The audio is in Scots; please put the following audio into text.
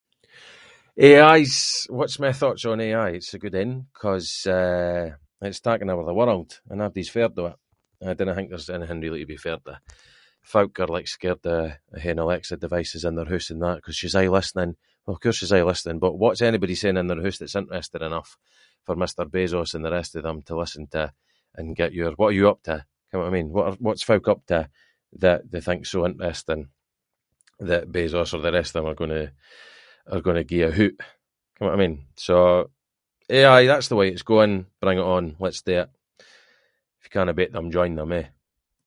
AI’s- what’s my thoughts on AI? It’s a good ain, ‘cause, eh- it’s taking over the world and abody’s feared of it, and I dinna think really there’s anything to be feared of. Folk are like scared of haeing Alexa devices in their hoose and that, ‘cause she’s aie listening, well of course she’s aie listening, but what’s anybody saying in their hoose that’s interesting enough for Mr Bezos and the rest of them to listen to and get your- what are you up to, ken what I mean, what’s folk up to that they think’s so interesting that Bezos or the rest of them are going to- are going to gie a hoot, ken what I mean. So, AI, that’s the way it’s going, bring it on, let’s do it, if you cannae beat them join them, eh.